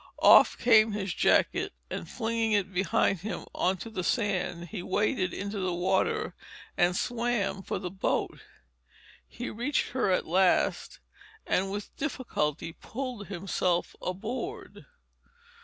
Off came his jacket and flinging it behind him on to the sand he waded into the water and swam for the boat. He reached her at last and with difficulty pulled himself aboard.